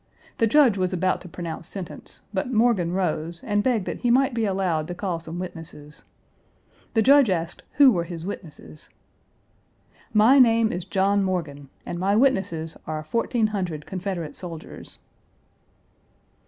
The Judge was about to pronounce sentence, but Morgan rose, and begged that he might be allowed to call some witnesses. The Judge asked who were his Page 209 witnesses. "My name is John Morgan, and my witnesses are 1,400 Confederate soldiers."